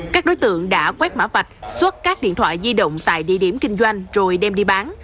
các đối tượng đã quét mã vạch xuất các điện thoại di động tại địa điểm kinh doanh rồi đem đi bán